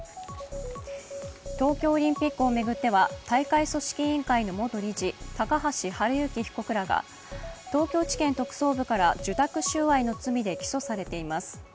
東京オリンピックを巡っては大会組織委員会の元理事、高橋治之被告らが東京地検特捜部から受託収賄の罪で起訴されています。